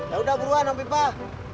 yaudah buruan om pimpah